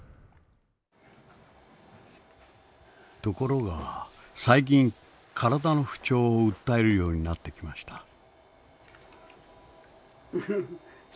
ところが最近体の不調を訴えるようになってきました。